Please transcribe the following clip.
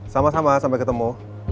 sama sama sampai ketemu